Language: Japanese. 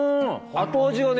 後味がね